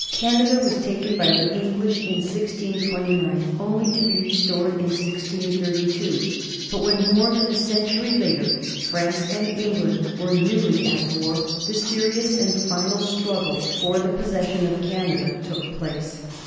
Canada was taken by the English in 1629, only to be restored in 1632; but when more than a century later France and England were new ly at war, the serious and final struggle for the possession of Canada took place.